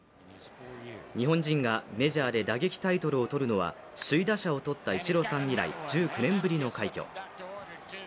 日本人がメジャーで打撃タイトルを取るのは、首位打者をとったイチローさん以来１９年ぶりの快挙。